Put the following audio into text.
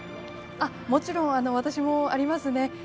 もちろん、私もありますね。